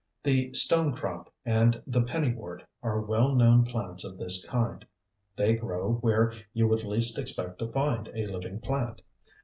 The Stone crop and the Penny wort are well known plants of this kind. They grow where you would least expect to find a living plant.